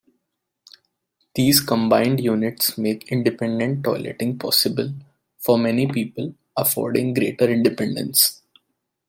These combined units make independent toileting possible for many people, affording greater independence.